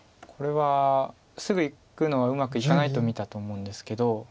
これはすぐいくのはうまくいかないと見たと思うんですけど。